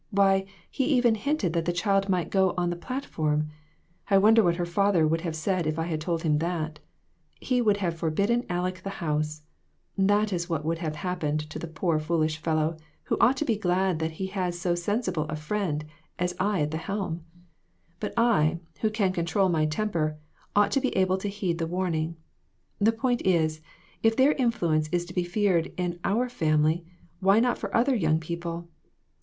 Why, he even hinted that the child might go on the plat form ! I wonder what her father would have said if I had told him that ! He would have forbidden Aleck the house ! That is what would have hap pened to the poor foolish fellow, who ought to be glad that he has so sensible a friend as I at the helm. But I, who can control my temper, ought to be able to heed the warning. The point is, if their influence is to be feared in our family, why not for other young people